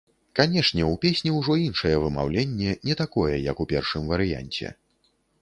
Канешне, у песні ўжо іншае вымаўленне, не такое, як у першым варыянце.